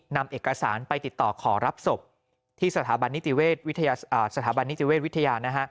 นำเอกสารไปติดต่อขอรับศพที่สถาบันนิติสถาบันนิติเวชวิทยา